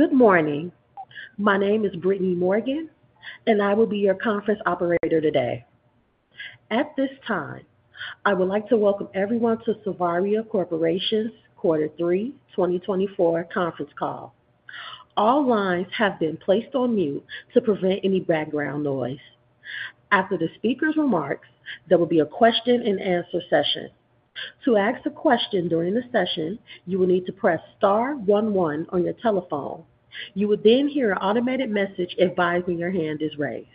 Good morning. My name is Brittany Morgan, and I will be your conference operator today. At this time, I would like to welcome everyone to Savaria Corporation's Quarter 3, 2024 conference call. All lines have been placed on mute to prevent any background noise. After the speaker's remarks, there will be a question-and-answer session. To ask a question during the session, you will need to press Star 11 on your telephone. You will then hear an automated message advising your hand is raised.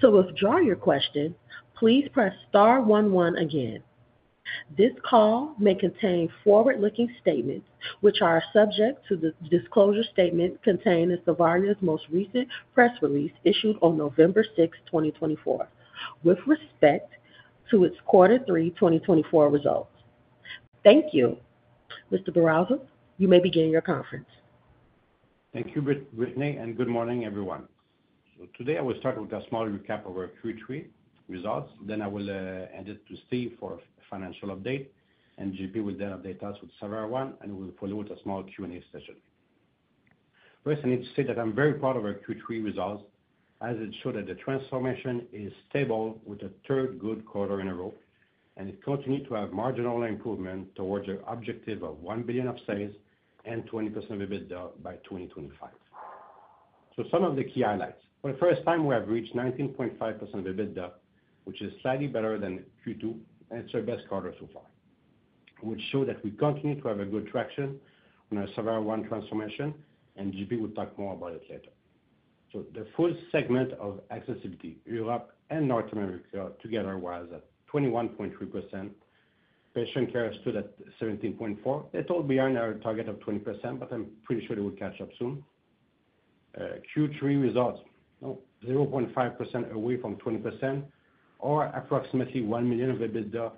To withdraw your question, please press Star 11 again. This call may contain forward-looking statements, which are subject to the disclosure statements contained in Savaria's most recent press release issued on November 6, 2024, with respect to its Quarter 3, 2024 results. Thank you. Mr. Bourassa, you may begin your conference. Thank you, Brittany, and good morning, everyone. Today, I will start with a small recap of our Q3 results. Then I will hand it to Steve for a financial update, and JP will then update us with Savaria One, and we will follow with a small Q&A session. First, I need to say that I'm very proud of our Q3 results, as it showed that the transformation is stable with a third good quarter in a row, and it continued to have marginal improvement towards our objective of 1 billion upsells and 20% of EBITDA by 2025. Some of the key highlights: for the first time, we have reached 19.5% of EBITDA, which is slightly better than Q2, and it's our best quarter so far, which showed that we continue to have good traction on our Savaria One transformation, and JP will talk more about it later. So the full segment of accessibility, Europe and North America together, was at 21.3%. Patient care stood at 17.4%. It's all beyond our target of 20%, but I'm pretty sure it will catch up soon. Q3 results: 0.5% away from 20%, or approximately 1 million of EBITDA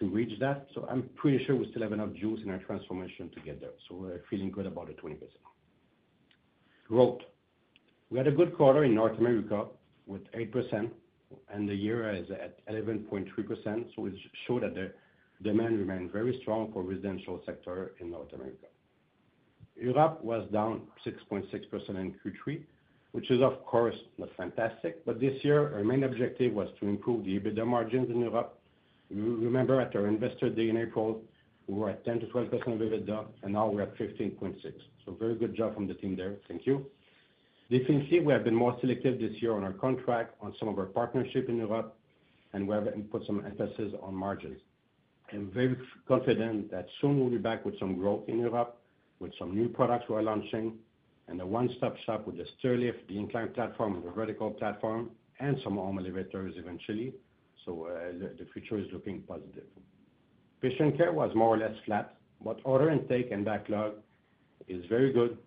to reach that. So I'm pretty sure we still have enough juice in our transformation to get there. So we're feeling good about the 20%. Growth: we had a good quarter in North America with 8%, and the year is at 11.3%. So it showed that the demand remained very strong for the residential sector in North America. Europe was down 6.6% in Q3, which is, of course, not fantastic, but this year, our main objective was to improve the EBITDA margins in Europe. Remember, at our investor day in April, we were at 10%-12% of EBITDA, and now we're at 15.6%. So very good job from the team there. Thank you. Definitely, we have been more selective this year on our contract, on some of our partnership in Europe, and we have put some emphasis on margins. I'm very confident that soon we'll be back with some growth in Europe, with some new products we're launching, and a one-stop shop with the Sterling, the inclined platform, and the vertical platform, and some home elevators eventually. So the future is looking positive. Patient care was more or less flat, but order intake and backlog is very good.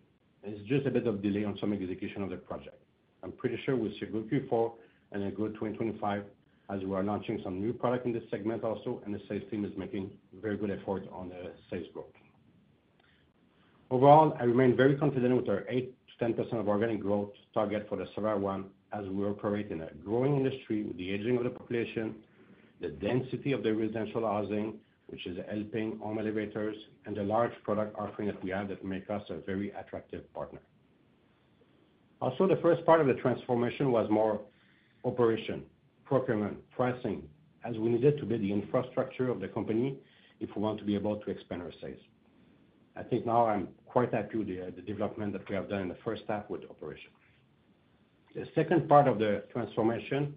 It's just a bit of delay on some execution of the project. I'm pretty sure we'll see a good Q4 and a good 2025, as we are launching some new products in this segment also, and the sales team is making very good effort on the sales growth. Overall, I remain very confident with our 8%-10% organic growth target for the Savaria One, as we operate in a growing industry with the aging of the population, the density of the residential housing, which is helping home elevators, and the large product offering that we have that makes us a very attractive partner. Also, the first part of the transformation was more operation, procurement, pricing, as we needed to build the infrastructure of the company if we want to be able to expand our sales. I think now I'm quite happy with the development that we have done in the first half with operation. The second part of the transformation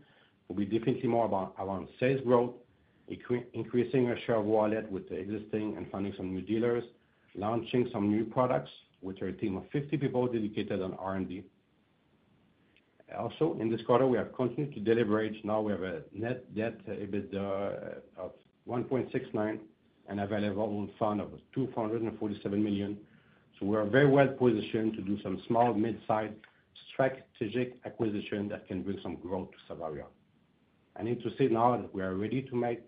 will be definitely more around sales growth, increasing our share of wallet with the existing and finding some new dealers, launching some new products with our team of 50 people dedicated on R&D. Also, in this quarter, we have continued to deleverage. Now we have a net debt EBITDA of 1.69 and available funds of 247 million. We are very well positioned to do some small, mid-sized strategic acquisitions that can bring some growth to Savaria. I need to say now that we are ready to make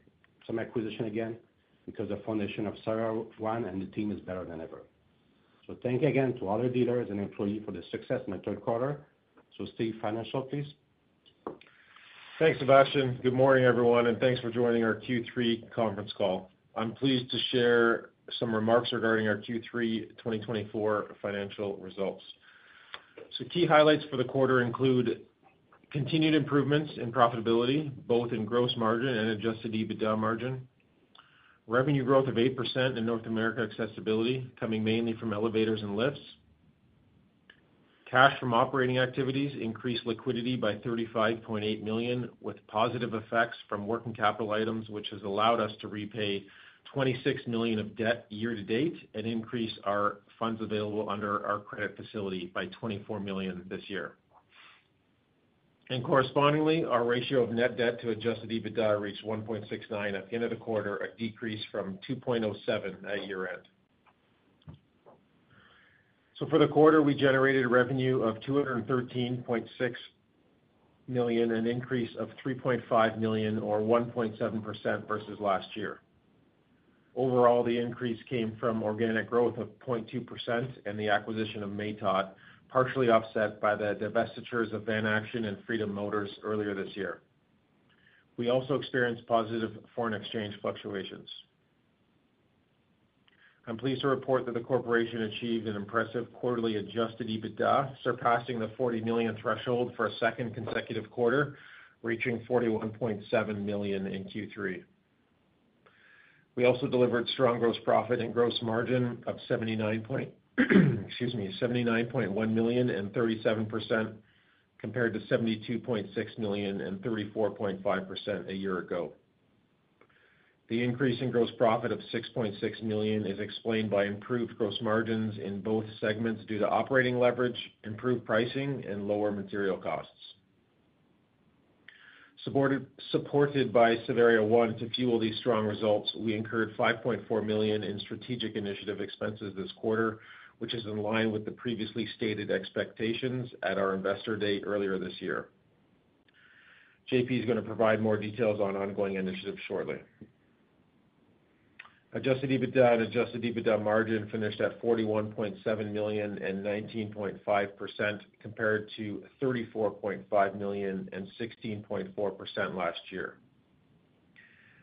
some acquisitions again because the foundation of Savaria One and the team is better than ever. Thank you again to other dealers and employees for the success in the third quarter. So, Steve, please. Thanks, Sébastien. Good morning, everyone, and thanks for joining our Q3 conference call. I'm pleased to share some remarks regarding our Q3 2024 financial results. So key highlights for the quarter include continued improvements in profitability, both in gross margin and adjusted EBITDA margin, revenue growth of 8% in North America accessibility coming mainly from elevators and lifts, cash from operating activities increased liquidity by 35.8 million with positive effects from working capital items, which has allowed us to repay 26 million of debt year to date and increase our funds available under our credit facility by 24 million this year. And correspondingly, our ratio of net debt to adjusted EBITDA reached 1.69 at the end of the quarter, a decrease from 2.07 at year-end. So for the quarter, we generated revenue of 213.6 million and an increase of 3.5 million, or 1.7% versus last year. Overall, the increase came from organic growth of 0.2% and the acquisition of Matot, partially offset by the divestitures of Van-Action and Freedom Motors earlier this year. We also experienced positive foreign exchange fluctuations. I'm pleased to report that the corporation achieved an impressive quarterly adjusted EBITDA, surpassing the 40 million threshold for a second consecutive quarter, reaching 41.7 million in Q3. We also delivered strong gross profit and gross margin of 79.1 million and 37% compared to 72.6 million and 34.5% a year ago. The increase in gross profit of 6.6 million is explained by improved gross margins in both segments due to operating leverage, improved pricing, and lower material costs. Supported by Savaria One to fuel these strong results, we incurred 5.4 million in strategic initiative expenses this quarter, which is in line with the previously stated expectations at our investor day earlier this year. JP is going to provide more details on ongoing initiatives shortly. Adjusted EBITDA and adjusted EBITDA margin finished at 41.7 million and 19.5% compared to 34.5 million and 16.4% last year.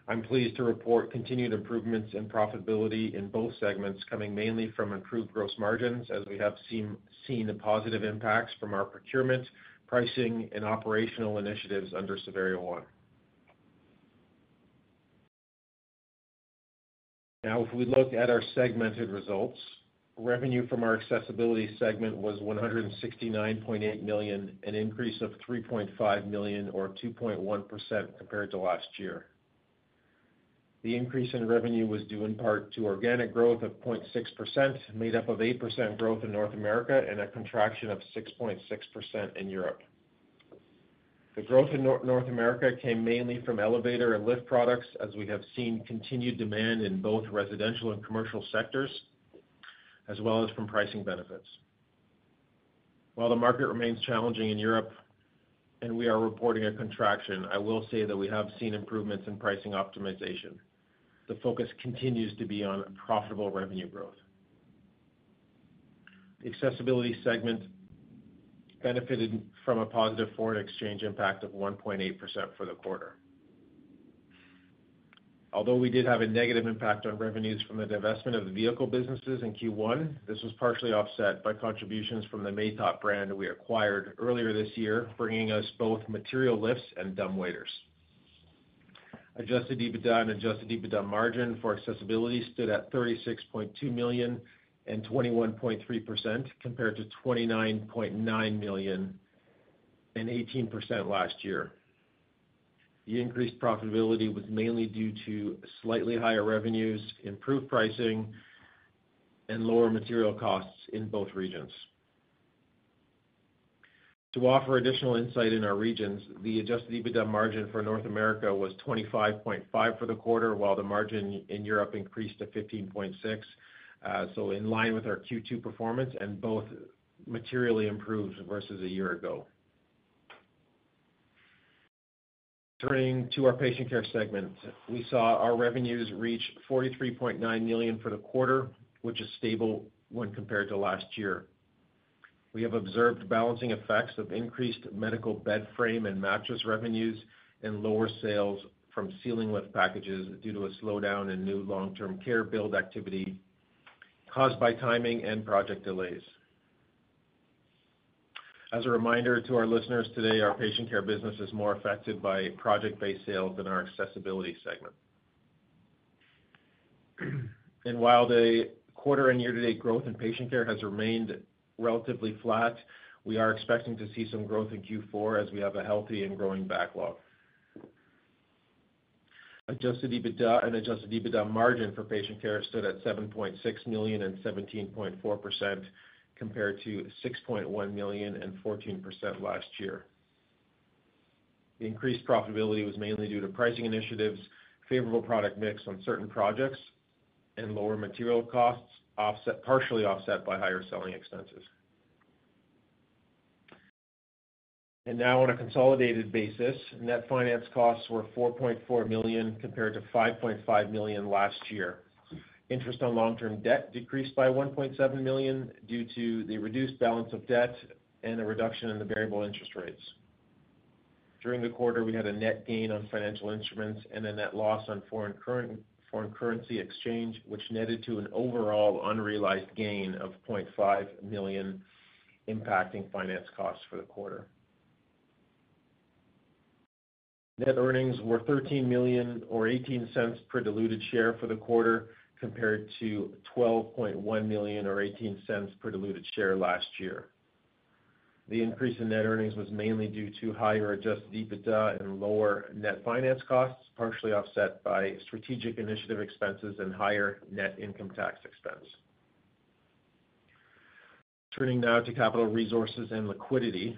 I'm pleased to report continued improvements in profitability in both segments coming mainly from improved gross margins, as we have seen the positive impacts from our procurement, pricing, and operational initiatives under Savaria One. Now, if we look at our segmented results, revenue from our accessibility segment was 169.8 million, an increase of 3.5 million, or 2.1% compared to last year. The increase in revenue was due in part to organic growth of 0.6%, made up of 8% growth in North America and a contraction of 6.6% in Europe. The growth in North America came mainly from elevator and lift products, as we have seen continued demand in both residential and commercial sectors, as well as from pricing benefits. While the market remains challenging in Europe and we are reporting a contraction, I will say that we have seen improvements in pricing optimization. The focus continues to be on profitable revenue growth. The accessibility segment benefited from a positive foreign exchange impact of 1.8% for the quarter. Although we did have a negative impact on revenues from the divestment of the vehicle businesses in Q1, this was partially offset by contributions from the Matot brand we acquired earlier this year, bringing us both material lifts and dumbwaiters. Adjusted EBITDA and adjusted EBITDA margin for accessibility stood at 36.2 million and 21.3% compared to 29.9 million and 18% last year. The increased profitability was mainly due to slightly higher revenues, improved pricing, and lower material costs in both regions. To offer additional insight in our regions, the Adjusted EBITDA margin for North America was 25.5% for the quarter, while the margin in Europe increased to 15.6%, so in line with our Q2 performance and both materially improved versus a year ago. Turning to our patient care segment, we saw our revenues reach 43.9 million for the quarter, which is stable when compared to last year. We have observed balancing effects of increased medical bed frame and mattress revenues and lower sales from ceiling lift packages due to a slowdown in new long-term care build activity caused by timing and project delays. As a reminder to our listeners today, our patient care business is more affected by project-based sales than our accessibility segment. While the quarter and year-to-date growth in patient care has remained relatively flat, we are expecting to see some growth in Q4 as we have a healthy and growing backlog. Adjusted EBITDA and adjusted EBITDA margin for patient care stood at 7.6 million and 17.4% compared to 6.1 million and 14% last year. The increased profitability was mainly due to pricing initiatives, favorable product mix on certain projects, and lower material costs, partially offset by higher selling expenses. Now, on a consolidated basis, net finance costs were 4.4 million compared to 5.5 million last year. Interest on long-term debt decreased by 1.7 million due to the reduced balance of debt and a reduction in the variable interest rates. During the quarter, we had a net gain on financial instruments and a net loss on foreign currency exchange, which netted to an overall unrealized gain of 0.5 million, impacting finance costs for the quarter. Net earnings were 13 million or 0.18 per diluted share for the quarter compared to 12.1 million or 0.18 per diluted share last year. The increase in net earnings was mainly due to higher Adjusted EBITDA and lower net finance costs, partially offset by strategic initiative expenses and higher net income tax expense. Turning now to capital resources and liquidity.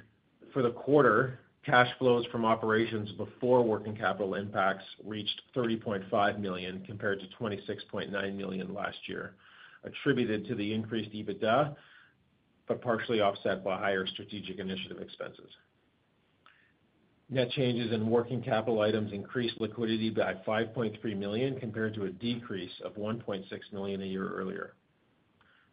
For the quarter, cash flows from operations before working capital impacts reached 30.5 million compared to 26.9 million last year, attributed to the increased EBITDA, but partially offset by higher strategic initiative expenses. Net changes in working capital items increased liquidity by 5.3 million compared to a decrease of 1.6 million a year earlier.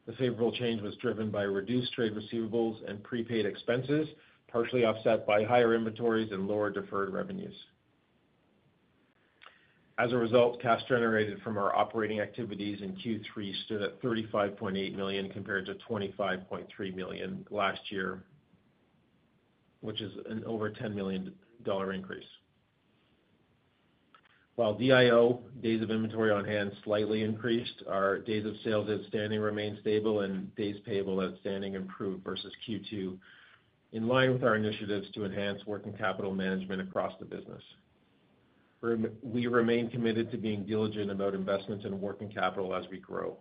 The favorable change was driven by reduced trade receivables and prepaid expenses, partially offset by higher inventories and lower deferred revenues. As a result, cash generated from our operating activities in Q3 stood at 35.8 million compared to 25.3 million last year, which is an over 10 million dollar increase. While DIO, days of inventory on hand, slightly increased, our days of sales outstanding remained stable, and days payable outstanding improved versus Q2, in line with our initiatives to enhance working capital management across the business. We remain committed to being diligent about investments in working capital as we grow.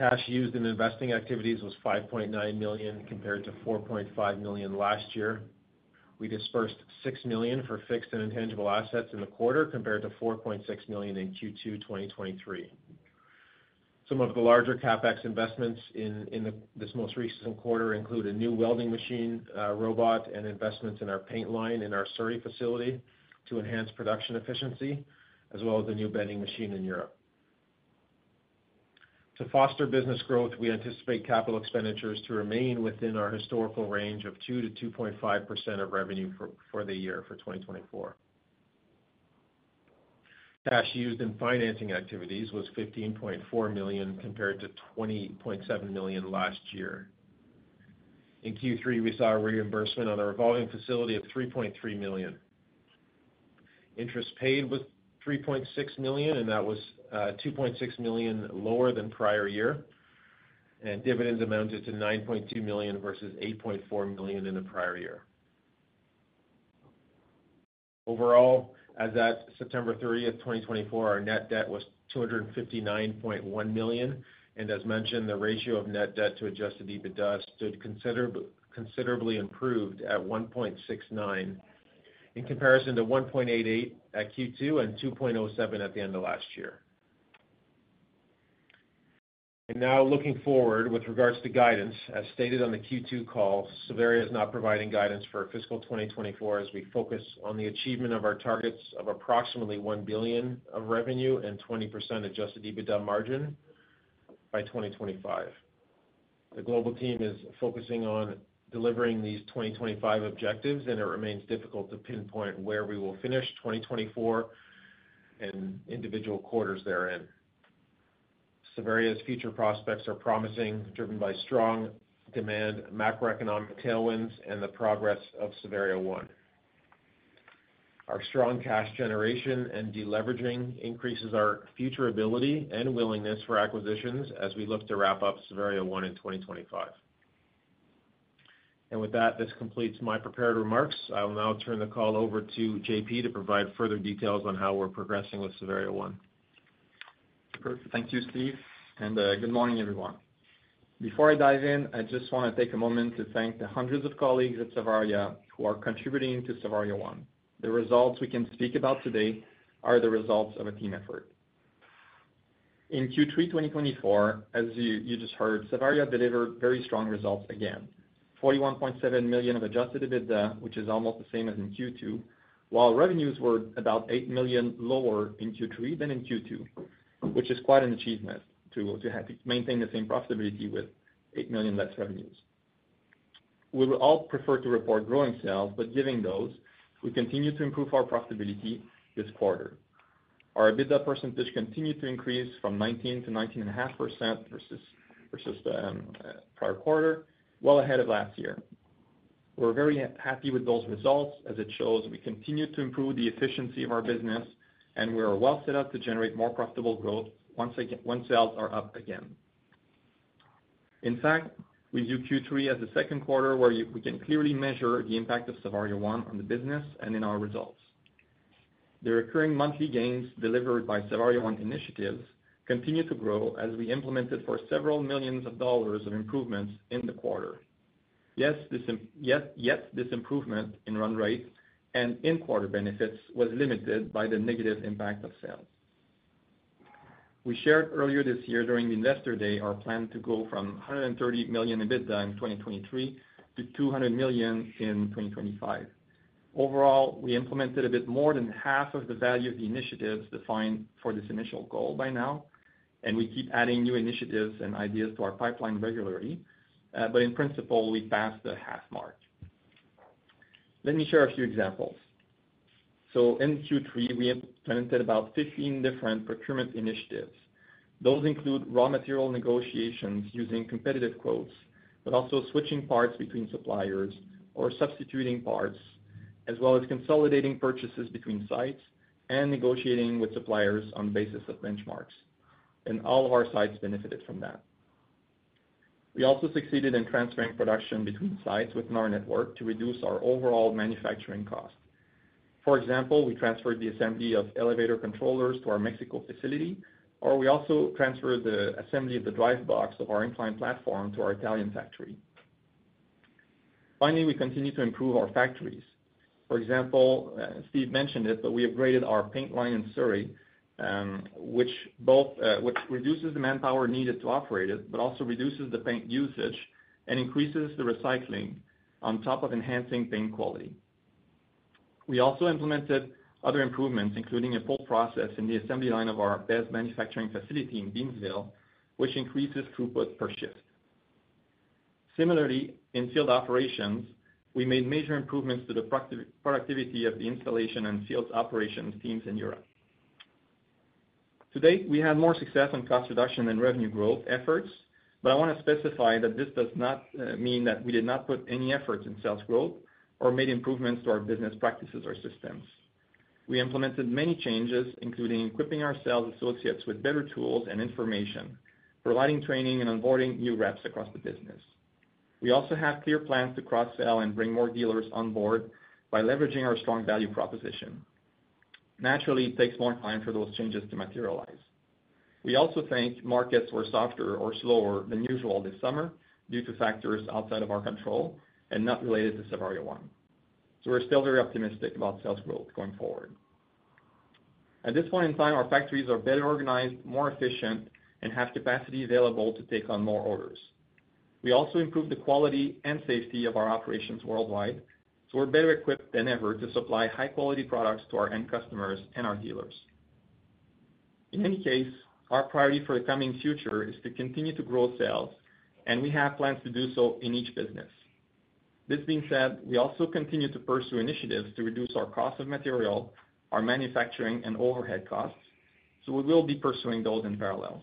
Cash used in investing activities was 5.9 million compared to 4.5 million last year. We disbursed 6 million for fixed and intangible assets in the quarter compared to 4.6 million in Q2 2023. Some of the larger CapEx investments in this most recent quarter include a new welding machine robot and investments in our paint line in our Surrey facility to enhance production efficiency, as well as a new bending machine in Europe. To foster business growth, we anticipate capital expenditures to remain within our historical range of 2%-2.5% of revenue for the year for 2024. Cash used in financing activities was 15.4 million compared to 20.7 million last year. In Q3, we saw a reimbursement on a revolving facility of 3.3 million. Interest paid was 3.6 million, and that was 2.6 million lower than prior year, and dividends amounted to 9.2 million versus 8.4 million in the prior year. Overall, as of September 30th, 2024, our net debt was 259.1 million, and as mentioned, the ratio of net debt to Adjusted EBITDA stood considerably improved at 1.69 in comparison to 1.88 at Q2 and 2.07 at the end of last year. And now, looking forward with regards to guidance, as stated on the Q2 call, Savaria is not providing guidance for fiscal 2024 as we focus on the achievement of our targets of approximately 1 billion of revenue and 20% Adjusted EBITDA margin by 2025. The global team is focusing on delivering these 2025 objectives, and it remains difficult to pinpoint where we will finish 2024 and individual quarters therein. Savaria's future prospects are promising, driven by strong demand, macroeconomic tailwinds, and the progress of Savaria One. Our strong cash generation and deleveraging increases our future ability and willingness for acquisitions as we look to wrap up Savaria One in 2025, and with that, this completes my prepared remarks. I'll now turn the call over to JP to provide further details on how we're progressing with Savaria One. Perfect. Thank you, Steve. Good morning, everyone. Before I dive in, I just want to take a moment to thank the hundreds of colleagues at Savaria who are contributing to Savaria One. The results we can speak about today are the results of a team effort. In Q3 2024, as you just heard, Savaria delivered very strong results again, 41.7 million of Adjusted EBITDA, which is almost the same as in Q2, while revenues were about 8 million lower in Q3 than in Q2, which is quite an achievement to maintain the same profitability with 8 million less revenues. We would all prefer to report growing sales, but given those, we continue to improve our profitability this quarter. Our EBITDA percentage continued to increase from 19%-19.5% versus the prior quarter, well ahead of last year. We're very happy with those results as it shows we continue to improve the efficiency of our business, and we are well set up to generate more profitable growth once sales are up again. In fact, we view Q3 as the second quarter where we can clearly measure the impact of Savaria One on the business and in our results. The recurring monthly gains delivered by Savaria One initiatives continue to grow as we implemented for several millions of dollars of improvements in the quarter. Yet, this improvement in run rate and in quarter benefits was limited by the negative impact of sales. We shared earlier this year during the investor day our plan to go from 130 million EBITDA in 2023 to 200 million in 2025. Overall, we implemented a bit more than half of the value of the initiatives defined for this initial goal by now, and we keep adding new initiatives and ideas to our pipeline regularly, but in principle, we passed the half mark. Let me share a few examples. So in Q3, we implemented about 15 different procurement initiatives. Those include raw material negotiations using competitive quotes, but also switching parts between suppliers or substituting parts, as well as consolidating purchases between sites and negotiating with suppliers on basis of benchmarks. And all of our sites benefited from that. We also succeeded in transferring production between sites within our network to reduce our overall manufacturing cost. For example, we transferred the assembly of elevator controllers to our Mexico facility, or we also transferred the assembly of the drive box of our inclined platform to our Italian factory. Finally, we continue to improve our factories. For example, Steve mentioned it, but we upgraded our paint line in Surrey, which reduces the manpower needed to operate it, but also reduces the paint usage and increases the recycling on top of enhancing paint quality. We also implemented other improvements, including a full process in the assembly line of our beds manufacturing facility in Beamsville, which increases throughput per shift. Similarly, in field operations, we made major improvements to the productivity of the installation and field operations teams in Europe. Today, we have more success in cost reduction and revenue growth efforts, but I want to specify that this does not mean that we did not put any efforts in sales growth or made improvements to our business practices or systems. We implemented many changes, including equipping our sales associates with better tools and information, providing training and onboarding new reps across the business. We also have clear plans to cross-sell and bring more dealers on board by leveraging our strong value proposition. Naturally, it takes more time for those changes to materialize. We also think markets were softer or slower than usual this summer due to factors outside of our control and not related to Savaria One, so we're still very optimistic about sales growth going forward. At this point in time, our factories are better organized, more efficient, and have capacity available to take on more orders. We also improved the quality and safety of our operations worldwide, so we're better equipped than ever to supply high-quality products to our end customers and our dealers. In any case, our priority for the coming future is to continue to grow sales, and we have plans to do so in each business. This being said, we also continue to pursue initiatives to reduce our cost of material, our manufacturing, and overhead costs, so we will be pursuing those in parallel.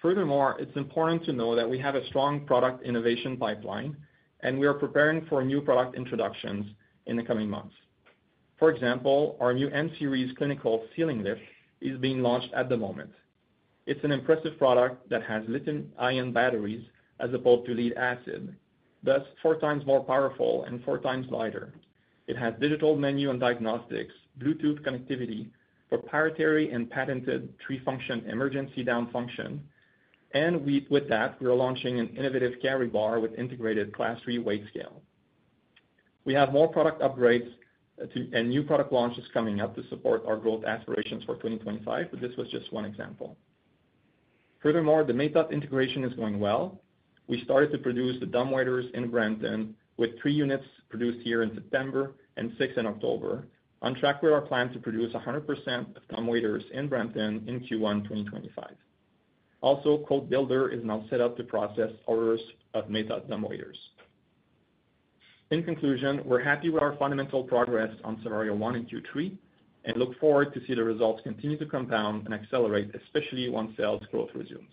Furthermore, it's important to know that we have a strong product innovation pipeline, and we are preparing for new product introductions in the coming months. For example, our new M-Series clinical ceiling lift is being launched at the moment. It's an impressive product that has lithium-ion batteries as opposed to lead-acid, thus four times more powerful and four times lighter. It has digital menu and diagnostics, Bluetooth connectivity for parity and patented three-function emergency down function, and with that, we're launching an innovative carry bar with integrated Class 3 weight scale. We have more product upgrades and new product launches coming up to support our growth aspirations for 2025, but this was just one example. Furthermore, the Matot integration is going well. We started to produce the dumbwaiters in Brampton with three units produced here in September and six in October, on track with our plan to produce 100% of dumbwaiters in Brampton in Q1 2025. Also, CodeBuilder is now set up to process orders of Matot dumbwaiters. In conclusion, we're happy with our fundamental progress on Savaria One and Q3 and look forward to see the results continue to compound and accelerate, especially once sales growth resumes.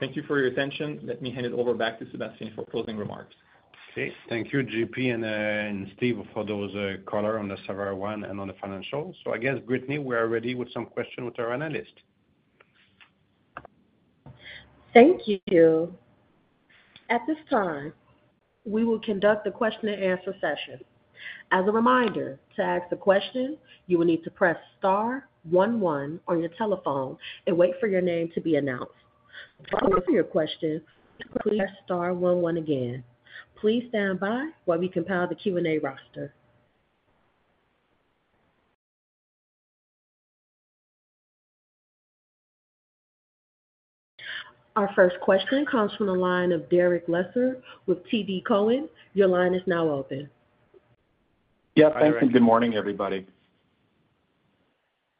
Thank you for your attention. Let me hand it over back to Sébastien for closing remarks. Okay. Thank you, JP and Steve for those colors on the Savaria One and on the financials. So I guess, Brittany, we are ready with some questions with our analyst. Thank you. At this time, we will conduct the question-and-answer session. As a reminder, to ask a question, you will need to press Star one one on your telephone and wait for your name to be announced. To answer your question, please press Star one one again. Please stand by while we compile the Q&A roster. Our first question comes from the line of Derek Lessard with TD Cowen. Your line is now open. Yep. Thanks, and good morning, everybody.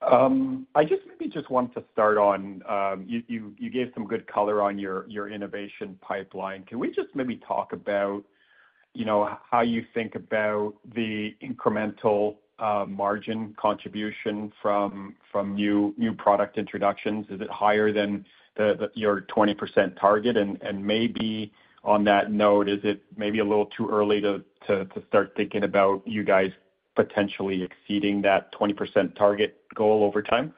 I just maybe just wanted to start on you gave some good color on your innovation pipeline. Can we just maybe talk about how you think about the incremental margin contribution from new product introductions? Is it higher than your 20% target, and maybe on that note, is it maybe a little too early to start thinking about you guys potentially exceeding that 20% target goal over time?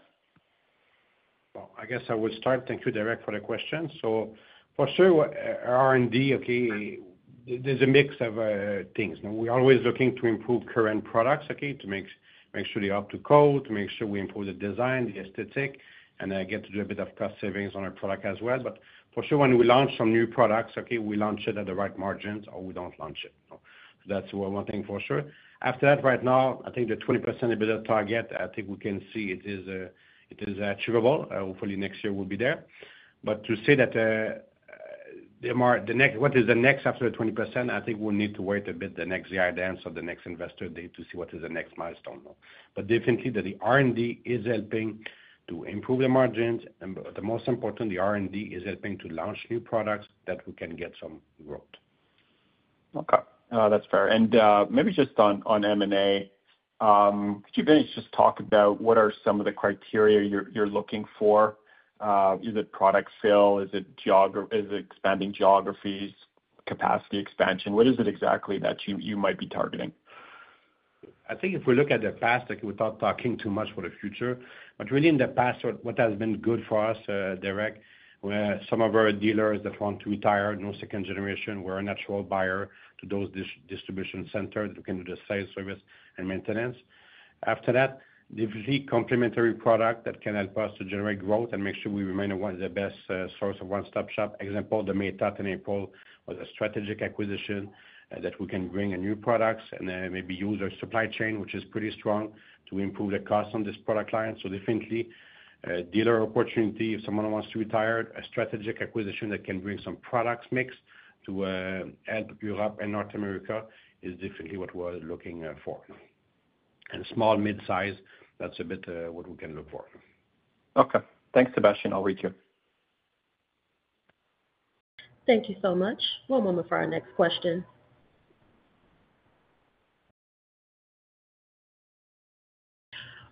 Well, I guess I would start. Thank you, Derek, for the question. So for sure, R&D. Okay, there's a mix of things. We're always looking to improve current products, okay, to make sure they're up to code, to make sure we improve the design, the aesthetic, and get to do a bit of cost savings on our product as well. But for sure, when we launch some new products, okay, we launch it at the right margins or we don't launch it. So that's one thing for sure. After that, right now, I think the 20% EBITDA target. I think we can see it is achievable. Hopefully, next year we'll be there. But to say that what is the next after the 20%, I think we'll need to wait a bit the next year then so the next investor day to see what is the next milestone. But definitely, the R&D is helping to improve the margins, and the most important, the R&D is helping to launch new products that we can get some growth. Okay. That's fair. And maybe just on M&A, could you just talk about what are some of the criteria you're looking for? Is it product sale? Is it expanding geographies, capacity expansion? What is it exactly that you might be targeting? I think if we look at the past, without talking too much for the future, but really in the past, what has been good for us, Derek, where some of our dealers that want to retire, no second generation, we're a natural buyer to those distribution centers that can do the sales service and maintenance. After that, the complete complementary product that can help us to generate growth and make sure we remain one of the best sources of one-stop shop, example, the Matot in April, was a strategic acquisition that we can bring new products and maybe use our supply chain, which is pretty strong, to improve the cost on this product line. So definitely, dealer opportunity, if someone wants to retire, a strategic acquisition that can bring some products mix to help Europe and North America is definitely what we're looking for. Small, mid-size, that's a bit what we can look for. Okay. Thanks, Sébastien. I'll read you. Thank you so much. One moment for our next question.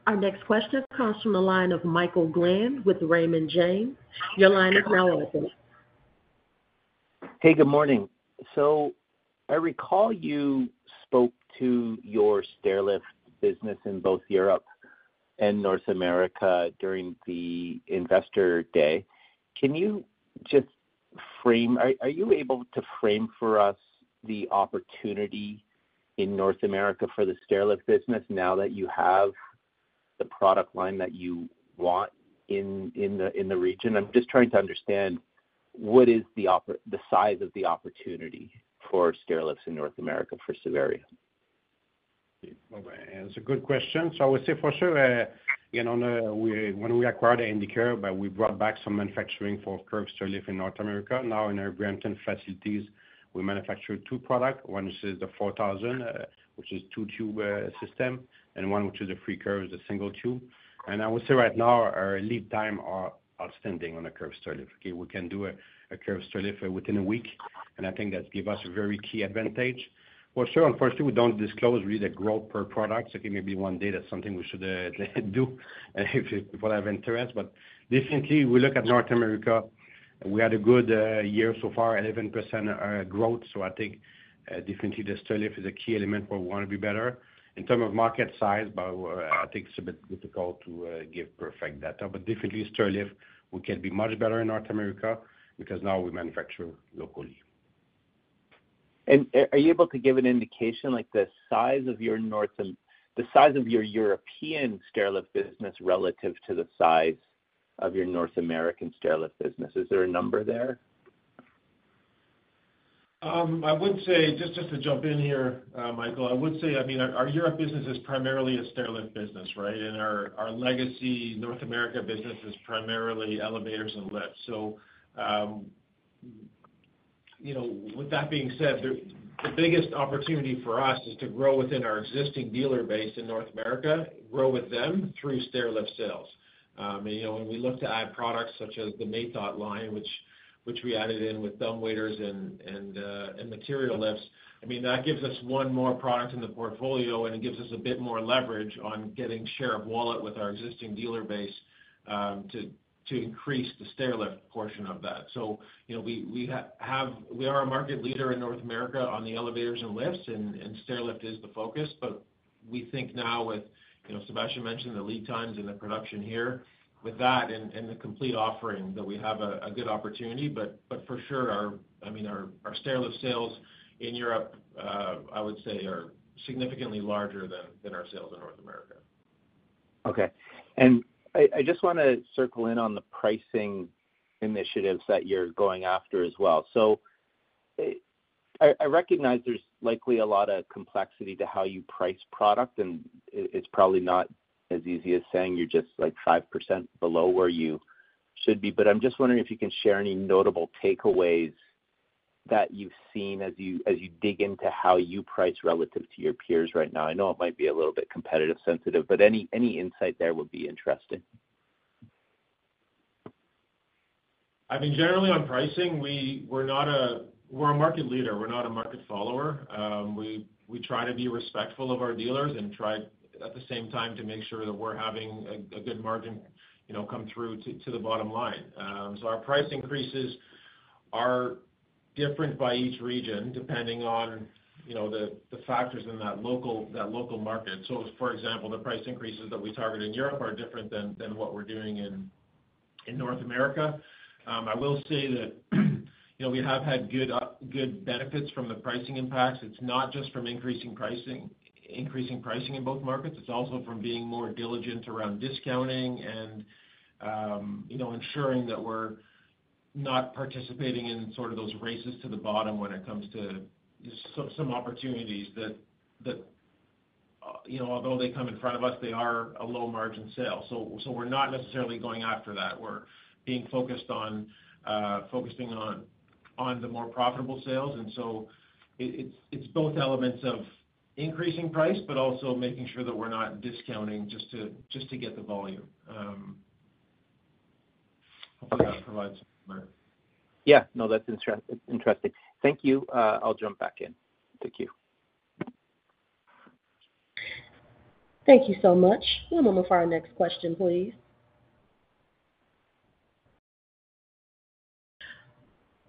Our next question comes from the line of Michael Glen with Raymond James. Your line is now open. Hey, good morning. I recall you spoke to your stairlift business in both Europe and North America during the investor day. Can you just frame for us the opportunity in North America for the stairlift business now that you have the product line that you want in the region? I'm just trying to understand what is the size of the opportunity for stairlifts in North America for Savaria? Okay. That's a good question. So I would say for sure, when we acquired Handicare, we brought back some manufacturing for curved stairlift in North America. Now, in our Brampton facilities, we manufacture two products. One is the 4000, which is a two-tube system, and one which is a Freecurve, is a single tube. And I would say right now, our lead times are outstanding on a curved stairlift. Okay, we can do a curved stairlift within a week, and I think that gives us a very key advantage. For sure, unfortunately, we don't disclose really the growth per product. Okay, maybe one day, that's something we should do if we have interest. But definitely, we look at North America. We had a good year so far, 11% growth. So I think definitely the stairlift is a key element where we want to be better. In terms of market size, I think it's a bit difficult to give perfect data, but definitely stairlift, we can be much better in North America because now we manufacture locally. Are you able to give an indication like the size of your European stairlift business relative to the size of your North American stairlift business? Is there a number there? I would say, just to jump in here, Michael, I would say, I mean, our Europe business is primarily a stairlift business, right? And our legacy North America business is primarily elevators and lifts. So with that being said, the biggest opportunity for us is to grow within our existing dealer base in North America, grow with them through stairlift sales. And when we look to add products such as the Matot line, which we added in with dumbwaiters and material lifts, I mean, that gives us one more product in the portfolio, and it gives us a bit more leverage on getting share of wallet with our existing dealer base to increase the stairlift portion of that. So we are a market leader in North America on the elevators and lifts, and stairlift is the focus. But we think now, with Sébastien mentioned the lead times and the production here, with that and the complete offering, that we have a good opportunity. But for sure, I mean, our stairlift sales in Europe, I would say, are significantly larger than our sales in North America. Okay. And I just want to zero in on the pricing initiatives that you're going after as well. So I recognize there's likely a lot of complexity to how you price product, and it's probably not as easy as saying you're just like 5% below where you should be. But I'm just wondering if you can share any notable takeaways that you've seen as you dig into how you price relative to your peers right now. I know it might be a little bit competitive-sensitive, but any insight there would be interesting. I mean, generally on pricing, we're a market leader. We're not a market follower. We try to be respectful of our dealers and try at the same time to make sure that we're having a good margin come through to the bottom line. So our price increases are different by each region, depending on the factors in that local market. So for example, the price increases that we target in Europe are different than what we're doing in North America. I will say that we have had good benefits from the pricing impacts. It's not just from increasing pricing in both markets. It's also from being more diligent around discounting and ensuring that we're not participating in sort of those races to the bottom when it comes to some opportunities that, although they come in front of us, they are a low-margin sale. So we're not necessarily going after that. We're being focused on the more profitable sales, and so it's both elements of increasing price, but also making sure that we're not discounting just to get the volume. Hopefully, that provides some clarity. Yeah. No, that's interesting. Thank you. I'll jump back in. Thank you. Thank you so much. One moment for our next question, please.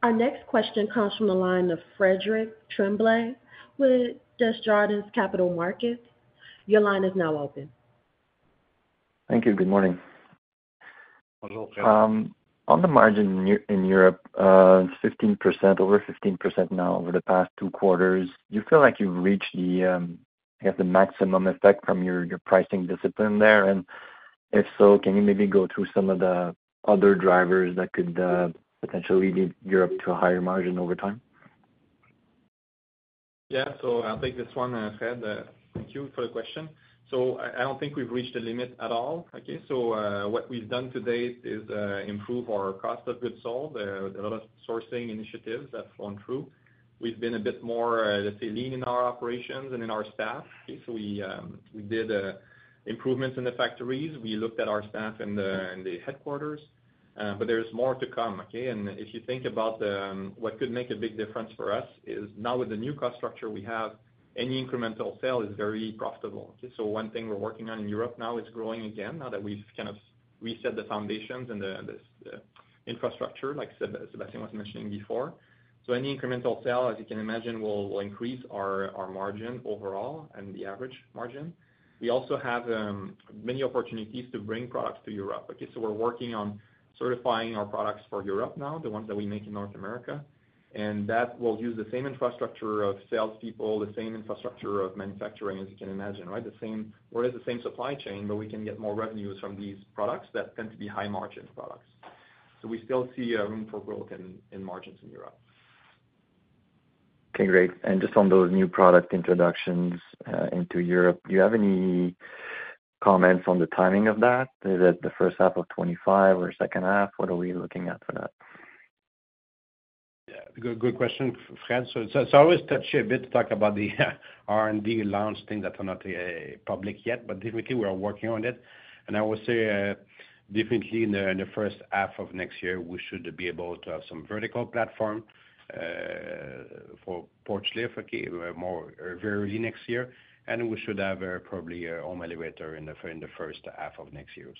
Our next question comes from the line of Frédéric Tremblay with Desjardins Capital Markets. Your line is now open. Thank you. Good morning. Hello. On the margin in Europe, it's 15%, over 15% now over the past two quarters. Do you feel like you've reached, I guess, the maximum effect from your pricing discipline there, and if so, can you maybe go through some of the other drivers that could potentially lead Europe to a higher margin over time? Yeah. So I'll take this one, Fred. Thank you for the question. So I don't think we've reached the limit at all. Okay. So what we've done to date is improve our cost of goods sold, a lot of sourcing initiatives that have flowed through. We've been a bit more, let's say, lean in our operations and in our staff. Okay. So we did improvements in the factories. We looked at our staff and the headquarters, but there's more to come. Okay. And if you think about what could make a big difference for us is now with the new cost structure we have, any incremental sale is very profitable. Okay. So one thing we're working on in Europe now is growing again now that we've kind of reset the foundations and the infrastructure, like Sébastien was mentioning before. So any incremental sale, as you can imagine, will increase our margin overall and the average margin. We also have many opportunities to bring products to Europe. Okay. So we're working on certifying our products for Europe now, the ones that we make in North America. And that will use the same infrastructure of salespeople, the same infrastructure of manufacturing, as you can imagine, right? We're in the same supply chain, but we can get more revenues from these products that tend to be high-margin products. So we still see room for growth in margins in Europe. Okay. Great. And just on those new product introductions into Europe, do you have any comments on the timing of that? Is it the first half of 2025 or second half? What are we looking at for that? Yeah. Good question, Fred. So it's always touchy a bit to talk about the R&D launch thing that's not public yet, but definitely, we are working on it, and I would say definitely in the first half of next year, we should be able to have some vertical platform for porch lift, okay, very early next year, and we should have probably a home elevator in the first half of next year,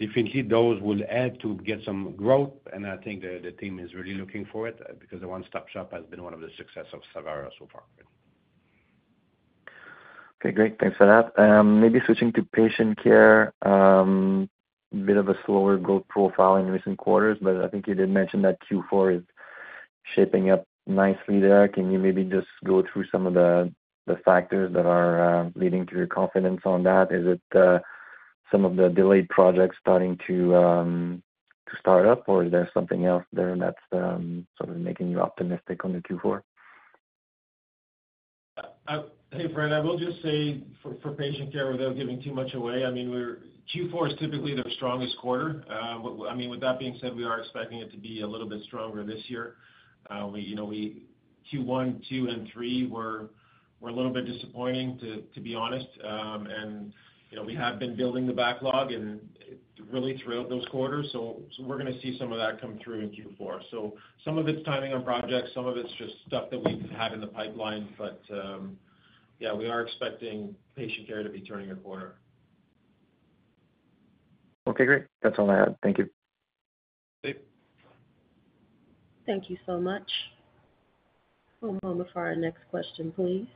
so I think definitely those will add to get some growth, and I think the team is really looking for it because the one-stop shop has been one of the successes of Savaria so far. Okay. Great. Thanks for that. Maybe switching to patient care, a bit of a slower growth profile in recent quarters, but I think you did mention that Q4 is shaping up nicely there. Can you maybe just go through some of the factors that are leading to your confidence on that? Is it some of the delayed projects starting to start up, or is there something else there that's sort of making you optimistic on the Q4? Hey, Fred, I will just say for patient care, without giving too much away. I mean, Q4 is typically their strongest quarter. I mean, with that being said, we are expecting it to be a little bit stronger this year. Q1, Q2, and Q3 were a little bit disappointing, to be honest, and we have been building the backlog and really throughout those quarters, so we're going to see some of that come through in Q4, so some of it's timing on projects, some of it's just stuff that we've had in the pipeline, but yeah, we are expecting patient care to be turning a corner. Okay. Great. That's all I had. Thank you. Thank you. Thank you so much. One moment for our next question, please.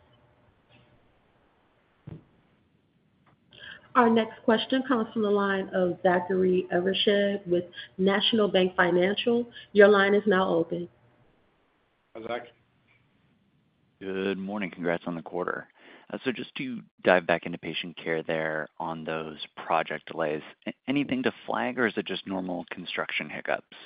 Our next question comes from the line of Zachary Evershed with National Bank Financial. Your line is now open. Hi, Zach. Good morning. Congrats on the quarter. So just to dive back into patient care there on those project delays, anything to flag, or is it just normal construction hiccups?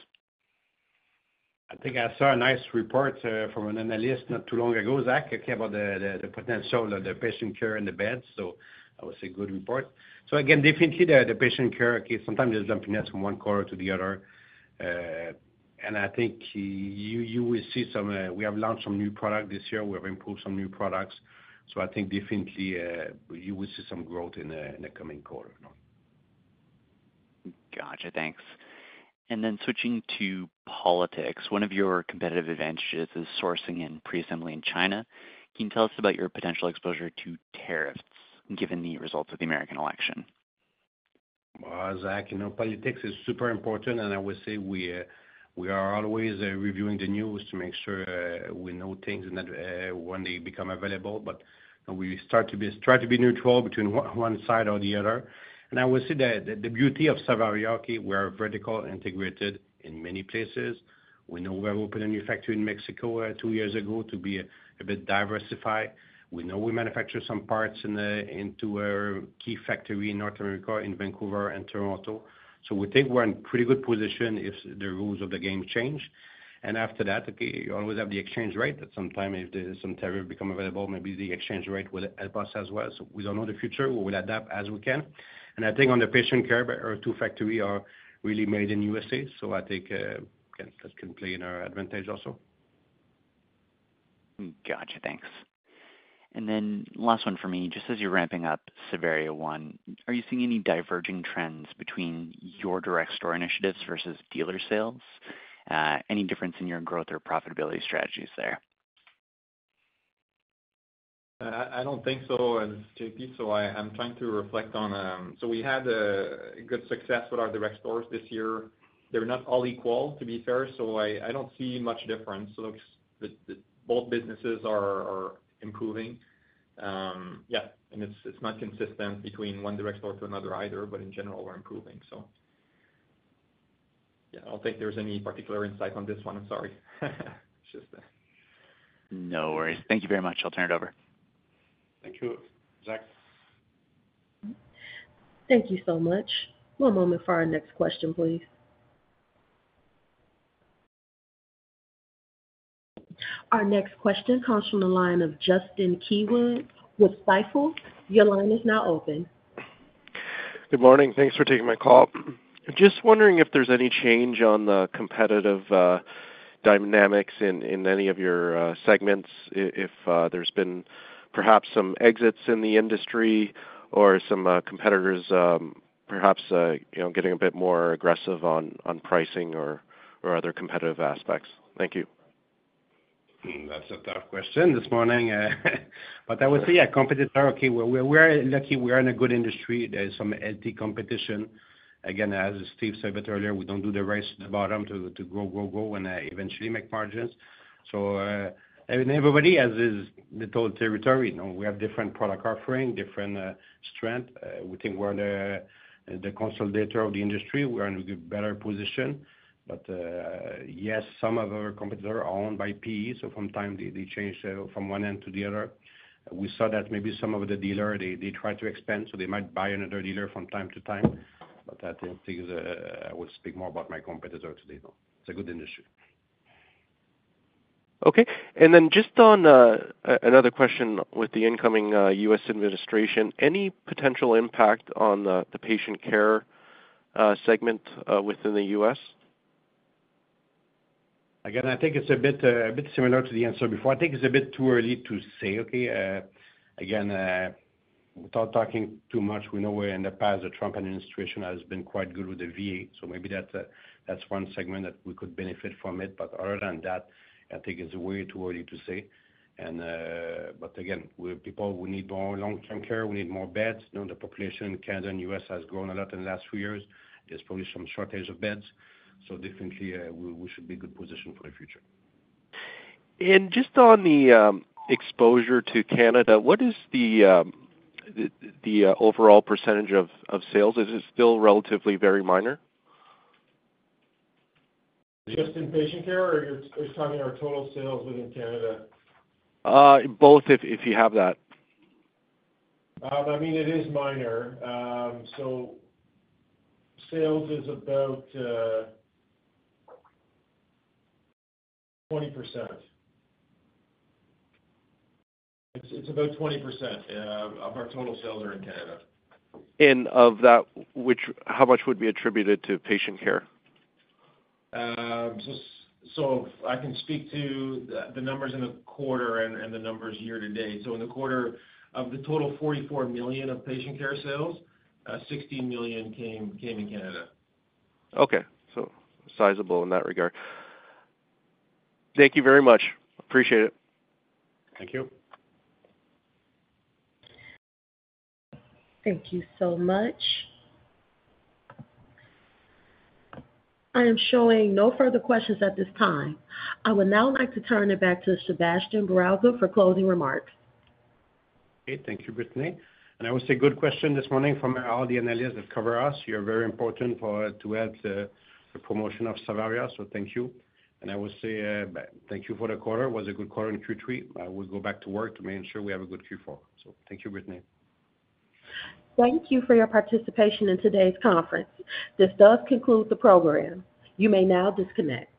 I think I saw a nice report from an analyst not too long ago, Zach, about the potential of the patient care in the bed, so that was a good report, so again, definitely the patient care, okay, sometimes there's lumpiness from one quarter to the other, and I think you will see some, we have launched some new products this year. We have improved some new products, so I think definitely you will see some growth in the coming quarter. Gotcha. Thanks. And then switching to politics, one of your competitive advantages is sourcing and pre-assembly in China. Can you tell us about your potential exposure to tariffs given the results of the American election? Zach, politics is super important. I would say we are always reviewing the news to make sure we know things when they become available. We try to be neutral between one side or the other. I would say that the beauty of Savaria, okay, we are vertically integrated in many places. We have opened a new factory in Mexico two years ago to be a bit diversified. We manufacture some parts in our key factory in North America, in Vancouver and Toronto. We think we're in a pretty good position if the rules of the game change. After that, okay, you always have the exchange rate that sometimes if there's some tariff become available, maybe the exchange rate will help us as well. We don't know the future. We will adapt as we can. And I think on the patient care, our two factories are really made in the USA. So I think that can play to our advantage also. Gotcha. Thanks. And then last one for me. Just as you're wrapping up Savaria One, are you seeing any diverging trends between your direct store initiatives versus dealer sales? Any difference in your growth or profitability strategies there? I don't think so, JP. So I'm trying to reflect on so we had good success with our direct stores this year. They're not all equal, to be fair. So I don't see much difference. So both businesses are improving. Yeah. And it's not consistent between one direct store to another either, but in general, we're improving. So yeah, I don't think there's any particular insight on this one. I'm sorry. It's just. No worries. Thank you very much. I'll turn it over. Thank you, Zach. Thank you so much. One moment for our next question, please. Our next question comes from the line of Justin Keywood with Stifel. Your line is now open. Good morning. Thanks for taking my call. Just wondering if there's any change on the competitive dynamics in any of your segments, if there's been perhaps some exits in the industry or some competitors perhaps getting a bit more aggressive on pricing or other competitive aspects? Thank you. That's a tough question this morning. But I would say, yeah, competitor, okay, we're lucky. We are in a good industry. There's some healthy competition. Again, as Steve said earlier, we don't do the race to the bottom to grow, grow, grow, and eventually make margins. So everybody has his little territory. We have different product offering, different strength. We think we're the consolidator of the industry. We're in a better position. But yes, some of our competitors are owned by PE. So from time, they change from one end to the other. We saw that maybe some of the dealers, they try to expand, so they might buy another dealer from time to time. But I think I will speak more about my competitor today. It's a good industry. Okay. And then just on another question with the incoming U.S. administration, any potential impact on the patient care segment within the U.S.? Again, I think it's a bit similar to the answer before. I think it's a bit too early to say, okay. Again, without talking too much, we know in the past, the Trump administration has been quite good with the VA. So maybe that's one segment that we could benefit from it. But other than that, I think it's way too early to say. But again, people, we need more long-term care. We need more beds. The population in Canada and the U.S. has grown a lot in the last few years. There's probably some shortage of beds. So definitely, we should be in a good position for the future. Just on the exposure to Canada, what is the overall percentage of sales? Is it still relatively very minor? Just in patient care or are you talking our total sales within Canada? Both if you have that. I mean, it is minor. So sales is about 20%. It's about 20% of our total sales are in Canada. And of that, how much would be attributed to patient care? I can speak to the numbers in the quarter and the numbers year to date. In the quarter of the total 44 million of patient care sales, 16 million came in Canada. Okay. So sizable in that regard. Thank you very much. Appreciate it. Thank you. Thank you so much. I am showing no further questions at this time. I would now like to turn it back to Sébastien Bourassa for closing remarks. Okay. Thank you, Brittany. And I would say good question this morning from all the analysts that cover us. You're very important to add to the promotion of Savaria. So thank you. And I would say thank you for the quarter. It was a good quarter and Q3. I will go back to work to make sure we have a good Q4. So thank you, Brittany. Thank you for your participation in today's conference. This does conclude the program. You may now disconnect.